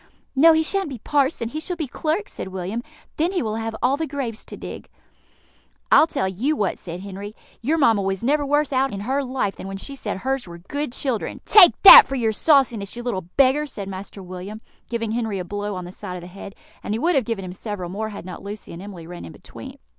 "No, he shan't be parson he shall be clerk," said William; "then he will have all the graves to dig." "I'll tell you what," said Henry: "your mamma was never worse out in her life than when she said hers were good children." "Take that for your sauciness, you little beggar!" said Master William, giving Henry a blow on the side of the head; and he would have given him several more had not Lucy and Emily run in between.